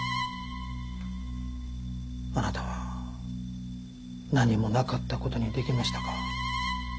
あなたは何もなかった事にできましたか？